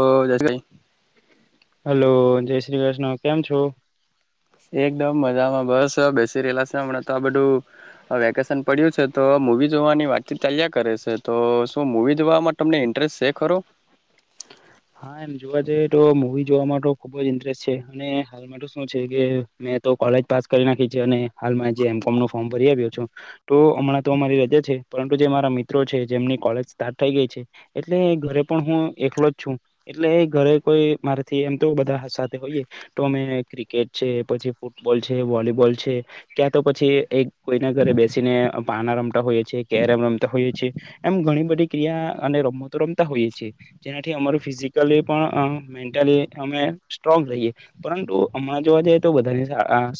ઓ જસ ભાઈ હલો જય શ્રી કૃષ્ણ કેમ છો એકદમ મજામાં બસ બેસી રેલા હમણાં તો આ બધું વેકેશન પડ્યું છે તો મુવી જોવાની વાતચીત ચાલ્યા કરે છે તો શું મુવી દવાવામાં તમને ઇન્ટરેસ્ટ છે ખરો [inaudible] હા એમ જોવા જઈએ તો મુવી જોવા માટે ખુબ જ ઇન્ટરેસ્ટ છે અને હાલમાં તો શું છે કે લેજ પાસ કરી નાખી છે અને હાલમ એમ કોમ ફોર્મ ભરી આવ્યો છું તો હમણાં તો અમારી રજા છે પરંતુ જે મારા મિત્રો છે જેમની કોલેજ સ્ટાર્ટ થઈ ગઈ છે એટલે ઘરે પણ હું એકલો જ છું એટલે ઘરે કોઈ મારાથી એમ તો બધા સાથે હોઈય તો અમે ક્રિકેટ છે પછી ફૂટબોલ છે વોલીબોલ છે ક્યાં તો પછી એક કોઈના ઘરે બેસીને પાના રમતા હોઈએ છે રમતા હો છે એમ ઘણી બધી ક્રિયા અને રમતો રમતા હોઈએ જેનાથી અમારું ફિજીક મેન્ટલી અમે સ્ટ્રોંગ રહીએ પરંતુ હમણાં જોવા જઈએ તો બધાની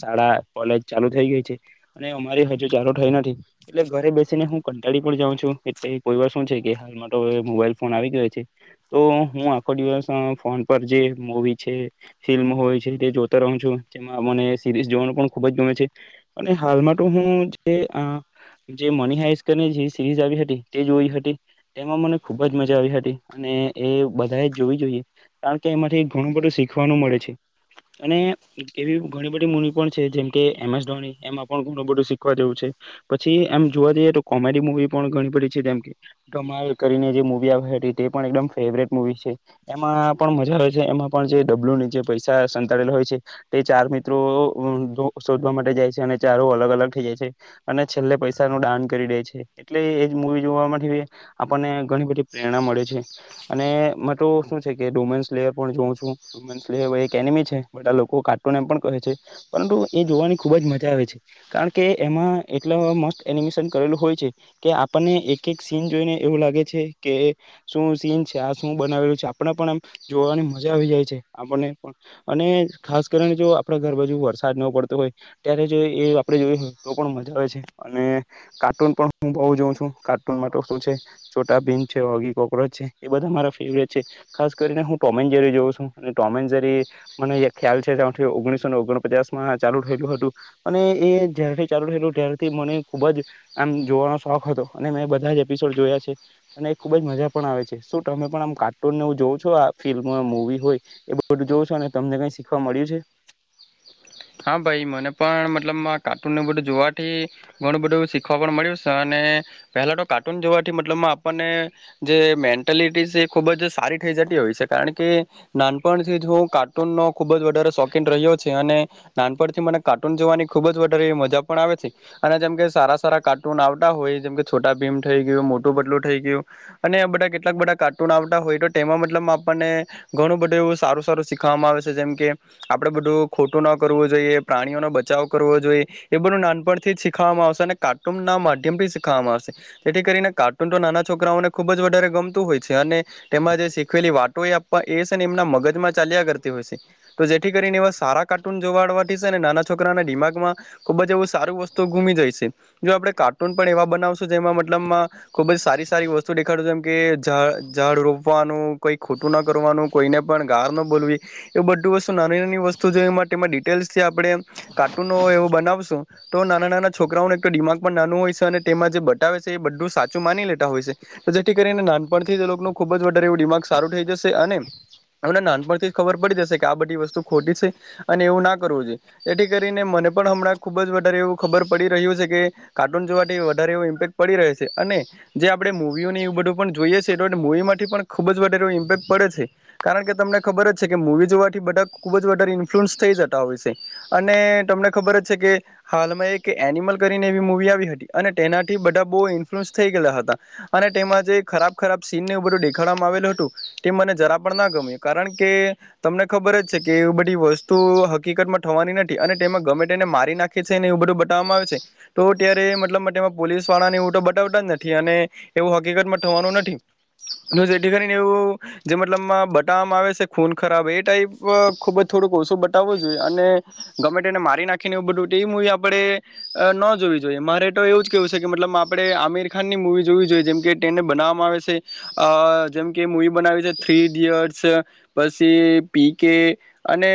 શાળા કોલેજ ચાલુ થઈ ગઈ છે અને અમારી હજુ ચાલુ થઈ નથી એટલે ઘરે બેસીને હું જાઉં છું એટલે કોઈ વાર શું છે કે હાલમાં તો મોબાઈલ ફોન આવી ગયો છે તો હું ફોન પર જે મુવી છે ફિલ્મ હોય છે તે જોતા રહું છું જેમાં મને સિરીઝ જોવાનું ખુબ જ ગમે છે અને હાલમાં તો હું મની હાઈટ કરી સરીઝ આવી હતી તે જોઈ હતી તેમાં મને ખુબ જ મજા આવી હતી અને એ બધા જોવી જોઈએ કારણ કે એમાંથી ઘણું બધું શીખવાનું મળે છે અને એવી ઘણી બધી મુની પણ છે જેમકે એમ એસ ધોની એમાં પણ ઘણું બધું શીખવા જેવું છે પછી એમ જોવા જઈએ તો કોમેડી મુવી પણ ઘણી બધી છે તેમ જેમકે ધમાલ કરીને જે મુવી આવે તે પણ એકમ ફેવરેટ મુવી છે એમાં પણ મજા આવેય છે એમાં પણ જે ડબલ્યુ ની જે પૈસા સંતાડેલા હોય છે તે ચાર મિત્રો શોધવા માટે જાય છે અને ચારો અલગ અલગ થઈ જાય છે અને છેલ્લે પૈસા ન દાન કરી દે છે એટલે એજ મુવી જોવા માટે આપણને ઘણી બધી પ્રેરણા મળે છે અને શ છે ડોમે જો છું ડો એક એમી છે બધા લોકો કાર્ટુન એમ પણ કહે છે પરંતુ એ જોવાની ખુબ જ મજા આવે છે કારણ કે એમાં એટલા મસ્ટ એનિમેશન કરેલું હોય કે આપણને એક એક સીન જોઈને એવું લાગે છે કે શું સીન છે આ શું બનાવેલ આપ પણ એમ જોવાની મજા આવી જાય છે આપને અને ખાસ કરીને જો આપડા ઘર બાજુ વરસાદ ન પડતો હોય ત્યારે જો એ આપે જોય તો પણ મજા આવે છે અને કાર્ટૂન પણ હું બઉુ જોઉં છું કાર્ટૂન માટે શું છે છોટા ભીન છે ઓગી કોક્રચ છે એ બધા મારા ફેવરેટ છે ખાસ કરીને હું ટોમેજરી જોઉં છું ટોમેનજરી મને ખ્યાલ છે ત્યા ઓગણીસોનેઓગણ ચાલુ થયલું હતું અને એ જારથી ચાલુ થયલું ત્યારથી મને ખુબ જ આમ જોવા શોખ હતો અને મેં બધા એપિસોડ જોયા છે અને ખુબ જ મજા પણ આવે છે શું તમે પણ આમ કા કાર્ટૂન જોવો છો ફિલ્મ હો મુવી હોય એ બધું જોવું છો અને તમને કઈ શીખવા મળ્યું છે [inaudible] હા ભાઈ મને પણ મતલબ કાર્ટૂન નું બધું જોવાથી ઘણું બધું શીખવા પણ મળ્યું છે અને પહેલા તો કાર્ટૂન જોવાથી મતલબ આપણને જે મેન્ટલિટી છે ખુબ જ સારી થઈ જતી હોય છે કારણ કે નાનપણથી જ હું કાર્ટૂનનો ખુબ જ વધારે શોકીન રહ્યો છે અને નાનપણ થી મને કાર્ટૂન જોવાની ખુબ જ વધારે મજા પણ આવે છે અને જેમ કે સારા સારા કાર્ટૂન આવતા હોય જેમ છોટા ભીમ થઈ ગયું મોટું પતલું થઈ ગયું અને બધા કેટલાક બધા કાર્ટૂન આવતા હોય તો તેમાં મતલબ આપણને ઘણું બધું એવું સારું સારું શીખવામાં આવે છે જેમ કે આપડે બધું ખોટું ન પ્રાણીઓ નો બચાવ કરવો જોઈએ એ બધું નાનપણથી જ શીખવામાં આવશે અને કાર્ટૂન ના માધ્યમથી શિખવામાં આવ તેથી કરીને કાર્ટૂન તો નાના છોકરાઓને ખુબ જ વધારે ગમતું હોય છે અને તેમાં જે શિખવેલી વાતો એના મગજમાં ચાલ્યા કરતી હોય છે તો જેથી કરીને સારા કાર્ટૂન જોવા નાના છોકરાના દિમાગમાં ખુબ જ એવું સારું વસ્તુ જાય છે આપણે કાર્ટૂન પણ એવા બનાવશ જેમાં મતલબ ખુબ જ સારી સારી વસ્તુ દેખાડ જેમ કે ઝાડ રોપવા નું કઈ ખોટું ના કરવાનું કોઈને પણ ગાર ના બોલવી એ બધું વસ્તુ નાની નાની વસ્તુ જો એમાં ડિટેલ્ આપડે કાર્ટૂનો એવ બનાવશું તો નાના નાના છોકરાઓને દિમાગ પણ નાનું હોય શે તેમાં જે બટાવે છે બધું સાચું માની લેતા હોય છે જેથી કરીને નાનપણ થી ખુબ જ વધારે દિમાગ સારું થઈ જશે અને એમને નાનપણ થી જ ખબર પડી જશે કે આ બધી વસ્તુ ખોટી છે. અને એવું ના કરવું જોઈએ એથી કરીને મને પણ હમણાં ખુબ જ વધારે એવું ખબર પડી રહ્યું છે કે કાર્ટૂન જોવાથી વધારે એવ ઇમ્પેક્ટ પડી રહે છે અને જે આપડે મુવીઓને એવું બધું પણ જોઈએ છે એ મૂવી માંથી પણ ખૂબ જ વધારે ઇમ્પેક્ટ પડે છે કારણ કે તમને ખબર જ છે કે મૂવી જોવાથી બધા ખુબ જ વધારે ઇન્ફ્લુઅન્સ થઈ જતા હોય છે અને તમને ખબર જ છે કે હાલમાં એક એનિમલ કરીને એવી મુવી આવી હ તી અને તેનાથી બધા બ ઇન્ફલુઅન્સ થઈ ગયા હતા અને તેમાં જે ખરાબ ખરાબ સીનને બધું દેખાડવામાં માં આવેલું હતું તે મને જરા પણ ના ગમે કારણ કે તમને ખબર જ છે કે એ બધી વસ તુ હકીકતમાં થવાની નથી અને તેમાં ગમે તેને મારી નાખે છેને એવું બધું બતાવવામાં આવે છે તો ત્યારે મતલબમાં પોલીસ વાળા એવું તો બતાવતા જ નથી અને એવું હકીકતમાં થવાનું નથી અને જેથી કરીને એવું જે મતલબમાં બટામ આવે છે ખૂન ખરાબ એ ટાઈપ ખુબ જ થોડુંક ઓછું બતાવવું જોઈએ અને ગર્મેન્ટ એને મારી નાખીને એવું બધું એ મુવી આપણેે ન જોવી જોઈ એ મારે તો એવું જ કેવું છે કે મતલબ આપડે આમિર ખાન ની મુવી જોવી જોઈએ જેમ કે તેને બનાવામાં આવે છે અ અ જેમ કે મુવી બનાવી છે થ્રી ઇડિયટ્સ પછી પી કે અને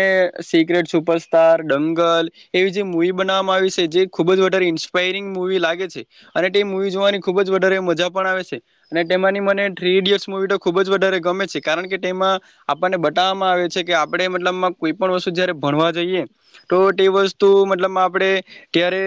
સિક્રેટ સુપરસ્ટાર ડંગલ એવી જે મુવી બનાવવામાં આવી છે જે ખુબ જ વધારે ઇન્સ્પાયરિંગ મુવી લાગે છે અને તે મુવી જોવાની ખુબ જ વધારે મજા પણ આવે છે અને તેમાંની મને થ્રી ઇડિયટ્ મવી તો ખુબ જ વધારે ગમે છે કારણ કે તેમાં આપણને બતાવવામાં આવે છે કે આપડે માં કોઈ પણ વસ્તુ જયારે ભણવા જઈએ તો તે વસ્તુ મતલબ આપડે ત્યારે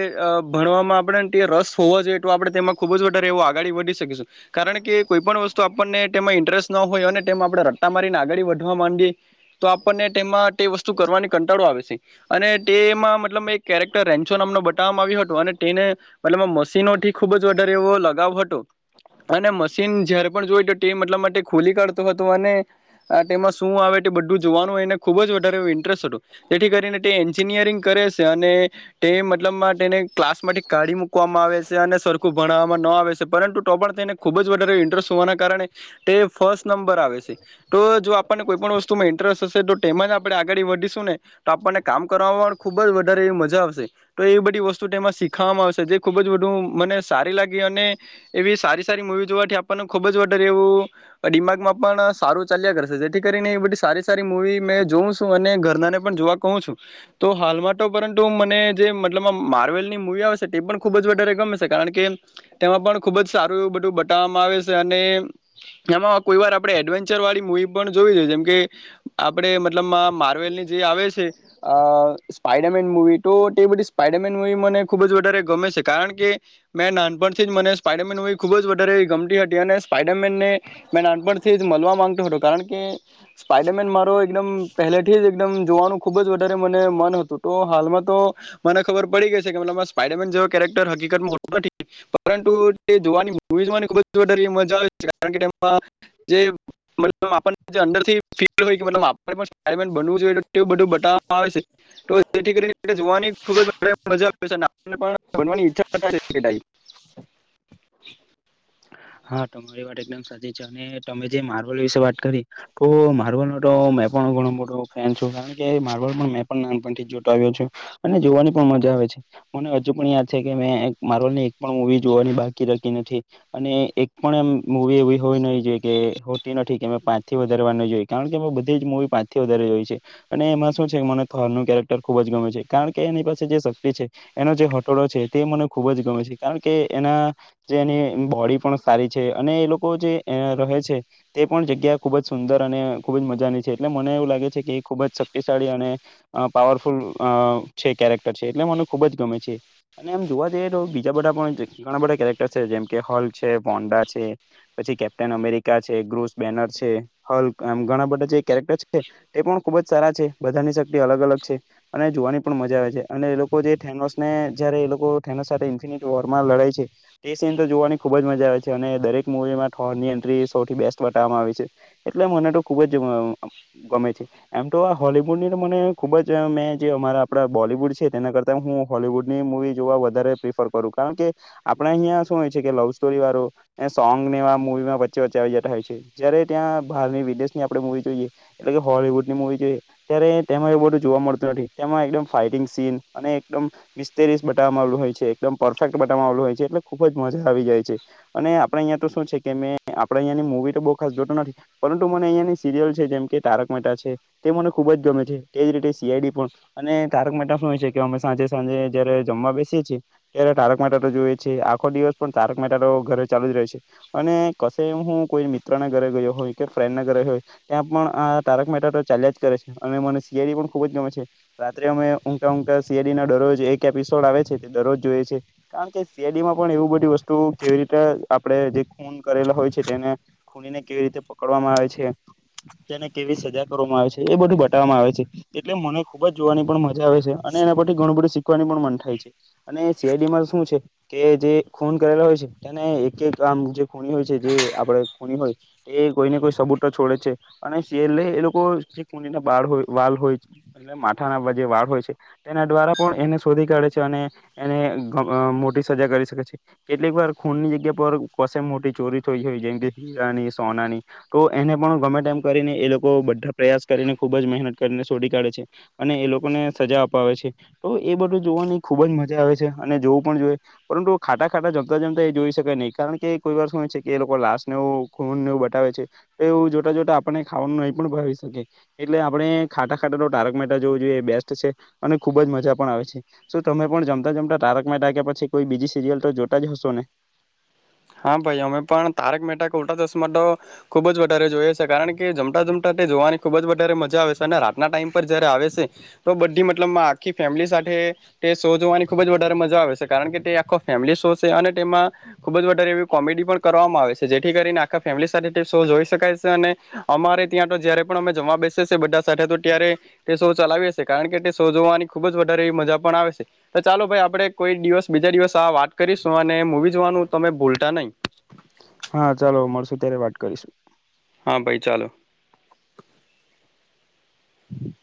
ભણવામાં આપણેે ને હો જોઈએ તો આપડે તેમાં ખુબ જ વધારે એવ આગળી વધી શકીશું કારણ કે કોઈ પણ વસ્તુ આપણને તેમાં ઇંટ્ર સ્નો હોય આપ રટા મારીને આગળ વધવા માંડીએ તો આપણને તેમાં તે વસ્તુ કરવાની કંટાળો આવે છે અને તેમાં મતલબ કેરેક્ટર રેન્ચો નામનો બ તામ આવ્યું હતું અને તેને મ મશીનો થી ખુબ જ વધારે એવો લગાવ હતો અને મશીન જયારે પણ જોય તો ટે મતલબમા ટે ખુલી કાઢતો હતો અને આ તેમાં શું આવે તે બધું જોવાનું એને ખુબ જ વધારે ઇન્ટરેસ્ટ હતું તેથી કરીને તે એન્જિનિયરિંગ કરે છે અને તે મતલબમાં તેને ક્લાસ માથી કાઢી મૂકવામાં આવે છે અને સરખું ભણવામાં ન આવે છે પરંતુ તો પણ તેને ખુબ જ વધારે ઇન્ટરેસ્ટ હોવાના કારણે તે ફસ્ટ નંબર આવે છે તો જો આપણને કોઈ પણ વસ્તુમાં ઇન્ટરેસ્ટ હશે તો તેમાં આપડે આગાડી વધીશું ને તો આપણને કામ કરવાવામાં પણ ખુબ જ વધારે એવી મજા આવશે તો એવી બધી વસ તુ તેમાં શીખવામાં આવશે જે ખુબ જ બધું મને સારી લાગી અને એવી સારી સારી મુવી જોવાથી આપણને ખુબ જ વારે એવું દિમાગમાં પણ સારું ચાલ્યા કરશે જેથી કરીને એ બધી સારી સારી મૂવી મેં જોઉં છું અને ઘરના ને પણ જોવા કહ છું તો હાલમાં તો પરંતુ મને જે મતલબમાં મા હારવેલ ની મુવી આવે શે તે પણ ખુબ જ વધારે ગમે છે કારણ કે તેમાં પણ ખુબ જ સારું એવું બધું બતાવવામાં આવે શે અને એમાં કોઈ વાર આપડે એડવેન્ચર વાળી મૂવી પણ જોવી જોઈ જેમ કે આપડે મતલબ માર્વેલ ની જે આવે છે અ સ્પાઈડરમેન મુવી તો તે બધી સ્પાઈડર મેન મૂવી મને ખુબ જ વધારે ગમે છે કારણ કે મેં નાનપણથી જ મને સ્પાઈડરમેન મૂવી ખુબ જ વધારે ગ ગમતી હતી અને સ્પાઇડરમેનને મેં નાનપણથી જ મલવા માંગતો હતો કારણ કે સ્પડરમેન મા રો એકદમ પહેલેથી જ એકદમ જોવાનું ખુબ જ વધારે મને મન હતું તો હાલમાં તો મને ખબર પડી ગઈ છે કેમાં સ્પાઈડરમેન જેવો કેરે ક્ટર હકીકતમાં હોતો નથી પરંતુ તે જોવાની મૂવી જોવાની [unintelligible] જે મતલબ આપને જે અંદર થી ફીલ હોય આપડે પણ સ્પાઇડરમેન બનવું જોઈએ તેવું બધું બતાવામા આવે છે જેથી કરીને તેને જોવાની ખૂબ જ વધારે મજા [unintelligible] હા તમારી વાત એકદમ સાચી છે અને તમે જે મારવલ વિશે વાત કરી તો મારવલ નો તો મેં પણ ઘણું મોટો ફેન છું કારણ કે માર્બલ મેં પણ નાનપણ થી જોતો આવ્યો છું અને જોવાની પણ મજા હોય મને હજુ પણ યાદ છે કે મે માર્વેલની એક પણ મૂવી જોવાની બાકી રાખી નથી અને એક પણ એમ મુવી એવી હોય નહી જોઈએ કે હોતી નથી કે મે પાંચથી વધારે વાર નઈ જોઈ કારણ કે અમે બધી જ મૂ વી પાંચથી વધારેય છે અને એમાં શું છે મને થોર ન કેરેક્ટર ખુબ જ ગમે છે કારણ કે એની પાસે જે શક્તિ છે એનો જે હટોડો છે તે મને ખુબ જ ગમે છે કારણ કે એના જે એની બોડી પણ સારી છે અને એ લોકો જે રહે છે તે પણ જગ્યા ખુબ જ સુંદર અને ખુબ જ મજાની છે એટલે મને એવું લાગે છે કે એ ખુબ જ શક્તિશાળી અને પાવરફુલ છે કેરેક્ટર છે એટલે મ ખુબ જ ગમે છે અને એમ જોવા જઈએ તો બીજા બધા પણ ઘણા બધા કેરેક્ટર છે જેમ કે હોલ છે છે હોન્ડા છે પછી કેપ્ટન અમેરિકા છે ગ્રુસ બેનર છે હલ મ ઘણા બધા છે કેરેક્ટર છે એ પણ ખુબ જ સારા છે બધાની શક્તિ અલગ અલગ છે અને જોવાની પણ મજા આવે છે અને લોકો થેનોસ ને જયારે એ લોકો થેનોસ સાથે ઇન્ફિનિટ વોરમાં લડાાય છે તે સીનતો જોવાની ખૂબ જ મજા આવે છે અને દરેક મુૂવીમાં થોનની એન્ટ્રી સૌથી બેસ્ટ બતાવામાં આવી છે એટલે મને તો ખુબ જ આ ગમે છે એમ તો આ હોલવુડની મને ખુબ જ મેં જે અમારા આપડા બોલીવુડ છે છે તેના ના કરતા હું હોવુડની મુવી જોવા વધારે પ્રિફર કરું કારણ કે આપણે અહીંયા શું હોય છે કે સ્ટોરી વારો એ સોંગ ને મુવીમાં વચ્ચે વચ્ચે આવી જતા હોય છે જયારે ત્યાં બહારની વિદેશ ની આપડે મૂવી જોઈએ એટલે હોવુડની જોઈએ ત્યારે તેમાં એવું બધું જોવા મળતું નથી તેમાં એકદમ ફાઈટિંગ સીન અને એકદમ મિસ્તેરીસ બટાવામાં આવેલું હોય છે એકદમ પરફેક્ટ બતાવામાં આવેલું હોય છે એટલે ખુબજ મજા આવી જાય છે છે અને આપડે અહિયાં તો શું છે કે મેં આપડે અહીંયાની મુવી તો બઉ ખાસ જોતો નથી પરંતુ મને અહિયાની સિરિય છે જેમ તારક મહેતા છે તે મને ખુબ જ ગમે છે તેવી જ રીતે સીઆઈડી પણ અને તારક મહેતા શું હોય છે કે અમે સાંજે સાંજે જયારે જમવા બેસીએ છીએ ત્યારે તારક મહેતાઓ જોઈએ છીએ આખો દિવસ પણ તાર મહેતાતોઘરે ચાલુ જ રહે છે અને કશે હું કોઈ મિત્રના ઘરે ગયો હોય કે ફ્રેન્ડના ઘરે હોય ત્યાં પણ આ તારક મહેતાતો ચાલ્યા જ કરે છે અને મને સીઆઇડી પણ ખુબ જ ગમે છે રાત્રે અમેં સીઆઇડી ના દરરોજ એક એપિસોડ આવે છે તે દરરોજ જોઈએ છે કારણ કે સીઆઇડીમાં પણ એવું બધી વસ્તુ તો કેવી રીતે આપણે જે ખૂન કરેલા હોય છે તેને ખૂનીને કેવી રીતે પકડવામાં આવે છે તેને કેવી સજા કરવામાં આવે છે એ બધું બતાવવામાં આવે છે એટલે મને ખુબ જ જોવાની પણ મજા જા આવે છે અને એના પરથી ઘણું બધું શીખવાની પણ મન થાય છે અને સીઆઈડી મા શું છે કે જે ખૂન કરેલા હોય છે તેને એક એક આમ જે ખૂની હોય છે જે આપડે ખૂની હોય તે કોઈને કોઈ સબુત છોડે છે અને છેલ્લે એ લોકો જે ખૂનીના બાડ હોય વાળ હોય એટલે માથાના જે વાળ હોય છે તેના ધ્વારા પણ એને શોધી કાઢે છે અને એને મોટી સજા કરી શકે છે કેટલીક વાર ખૂનની જગ્યા પર કસે મોટી ચોરી થઈ હોય જેમ કે હીરાની સોનાની તો એ એને પણ ગમે તેમ કરીને એ લોકો બધા પ્રયાસ કરીને ખુબ જ મહેનત કરીને શોધી કાઢે છે અને એ લોકોને સજા અપાવે છે તો એ બધું જોવાની ખુબ જ મજા આવે છે અને જોવું પણ જોઈએ પરંતુ ખાતા ખાતા જમતા જમતા એ જોઈ શકાય નહીં કારણ કે કોઈ વાર શું છે કે એ લોકો લાશને એવું ખૂનને એવું બતાાવવે છે તો એવું જોતાં જોતા આપણને ખાવાનું નહીં પણ ભાવી શકે એટલે આપણે ખાટા ખાટા તો ટારક મહેતા જોવું જોઈએ બેસ્ટ છે અને ખુબ જ મજા પણ આવે છે શું તમે પણ જમતા જમતા તારક મહેતા કે પછી કોઈ બીજી સીરિયલ તો જોતા જ હસો ને હા ભાઈ અમે પણ તારક મહેતા કા ઉલ્ટા ચશ્મા તો ખુબ જ વધારે જોઈએ છે કારણ કે જમતા જમ તા તે જોવાની ખુબ જ વધારે મજા આવે છે અને રાતના ટાઈમ પર જયારે આવે છે તો બધી મતલબ આખી ફેમલી શો જોવાની ખુબ જ વધારે મજા આવે છે કારણ કે તે આખો ફેમિલી શો છે અને તેમાં ખુબ જ વધારે એવી કોમેડી પણ કરવામાં આવે છે જેથી કરીને આખા ફેમિલી સાથે શો જોઈ શકાય છે અને અમા ત્યાં જયારે પણ અમે જમવા બેસી બધા સાથે તો ત્યારે તે શો ચલાવી હશે કારણ કે તે શો જોવાની ખુબ જ વધારે મજા પણ આવે છે તો ચાલો ભાઈ આપડે કોઈ દિવસ બીજા દિવસ આ વાત કરીશું અને મુંવી જોવાનું તમે બુલતા નહીં હા ચાલો મળશુ ત્યારે વાત કરીશું હા ભાઈ ચાલો